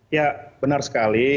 ya benar sekali